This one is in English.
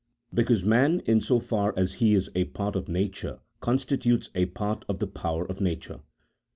Because man, in so far as he is apart of nature, con stitutes a part of the power of nature.